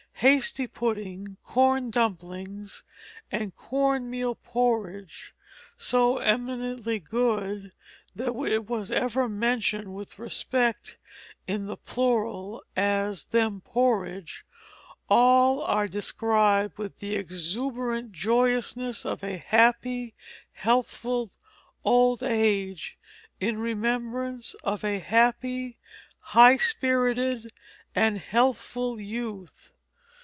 Hasty pudding, corn dumplings, and corn meal porridge, so eminently good that it was ever mentioned with respect in the plural, as "them porridge," all are described with the exuberant joyousness of a happy, healthful old age in remembrance of a happy, high spirited, and healthful youth.